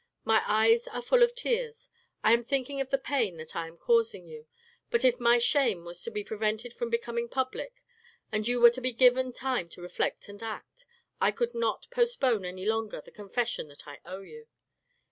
My eyes are full of tears, I am thinking of the pain that I am causing you, but if my shame was to be prevented from becoming public, and you were to be given time to reflect and act, I could not postpone any longer the confession that I owe you.